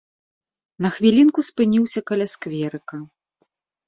На хвілінку спыніўся каля скверыка.